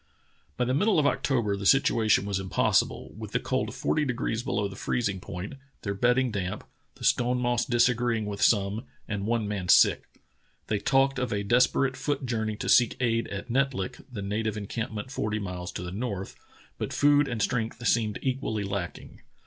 By the middle of October the situation was impossi ble, with the cold forty degrees below the freezing point, their bedding damp, the stone moss disagreeing with some, and one man sick. They talked of a desper ate foot journey to seek aid at Netlik, the native encampment forty miles to the north, but food and strength seemed equally lacking.